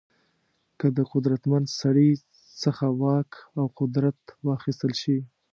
که د قدرتمن سړي څخه واک او قدرت واخیستل شي.